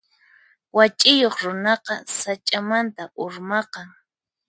Wach'iyuq runaqa sach'amanta urmaqan.